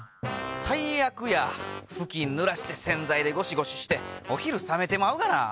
最悪やふきんぬらして洗剤でゴシゴシしてお昼冷めてまうがな。